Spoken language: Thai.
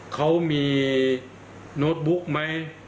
เขามีโน้ตบุ๊กไหม